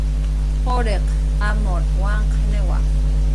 quriq amur waqniwa